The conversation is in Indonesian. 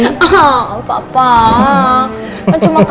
oh papa kan cuma kaget aja